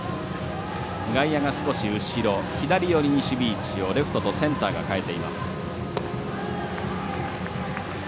外野が少し後ろ左側の守備位置にレフトとセンターが変えています。